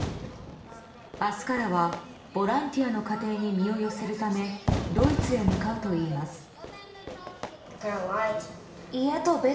明日からはボランティアの家庭に身を寄せるためドイツへ向かうといいます。